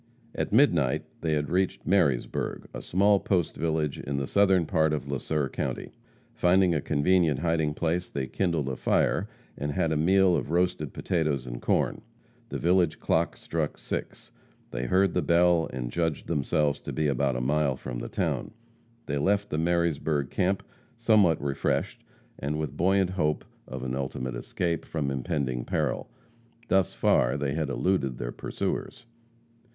At midnight they had reached Marysburg, a small post village in the southern part of Le Sueur county. Finding a convenient hiding place they kindled a fire, and had a meal of roasted potatoes and corn. The village clock struck six. They heard the bell and judged themselves to be about a mile from the town. They left the Marysburg camp somewhat refreshed, and with buoyant hope of an ultimate escape from impending peril. Thus far they had eluded their pursuers.